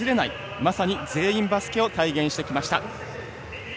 まさに全員バスケットを体現してきました。